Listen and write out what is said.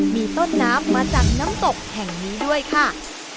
มีต้นน้ำมาจากน้ำตกแห่งนี้ด้วยค่ะ